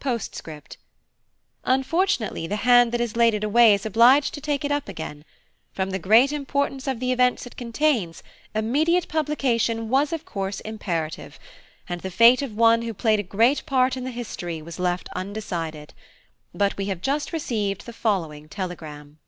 Postscript. Unfortunately the hand that has laid it away is obliged to take it up again. From the great importance of the events it contains, immediate publication was, of course, imperative, and the fate of one who played a great part in the history was left undecided; but we have just received the following Telegram.